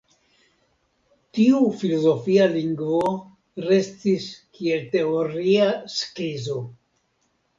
Tiu filozofia lingvo restis kiel teoria skizo.